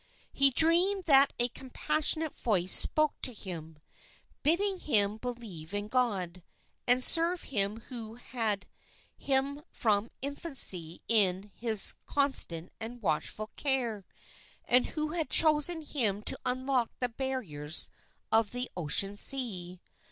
He dreamed that a compassionate Voice spoke to him, bidding him believe in God, and serve Him who had had him from infancy in His constant and watchful care, and who had chosen him to unlock the barriers of the Ocean Sea.